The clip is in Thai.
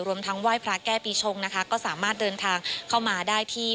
รวมทั้งไหว้พระแก้ปีชงนะคะก็สามารถเดินทางเข้ามาได้ที่